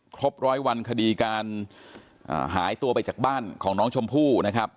ครบร้อยวันคดีการหายตัวไปจากบ้านของน้องชมพู่นะครับ